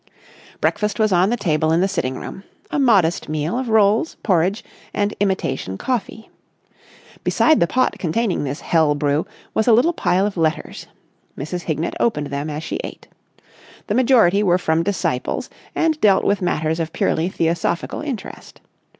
Breakfast was on the table in the sitting room, a modest meal of rolls, porridge, and imitation coffee. Beside the pot containing this hell brew, was a little pile of letters. Mrs. Hignett opened them as she ate. The majority were from disciples and dealt with matters of purely theosophical interest.